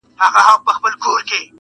خوار په هندوستان هم خوار وي -